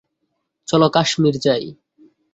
চলো কাশ্মির যাই।